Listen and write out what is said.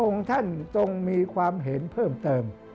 องค์ท่านต้องมีความเห็นเพิ่มเติม